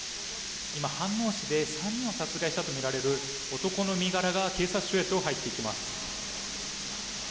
飯能市で３人を殺害したとみられる男の身柄が警察署へと入っていきます。